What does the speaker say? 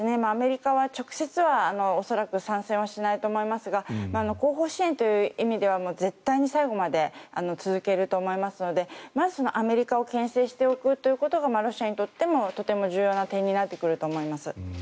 アメリカは直接は参戦しないと思いますが後方支援という意味では絶対最後まで続けると思いますのでまず、アメリカをけん制しておくということがロシアにとってもとても重要な点になってくると思います。